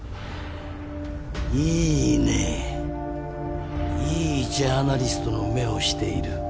いいねいいジャーナリストの目をしている。